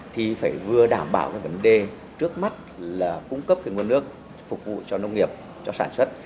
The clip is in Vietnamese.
thì phải vừa đảm bảo cái vấn đề trước mắt là cung cấp cái nguồn nước phục vụ cho nông nghiệp cho sản xuất